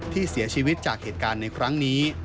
ที่เสียชีวิตจากเหตุการณ์ในครั้งนี้